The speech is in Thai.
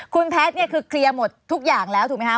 คุณแพทย์เนี่ยคือเคลียร์หมดทุกอย่างแล้วถูกไหมคะ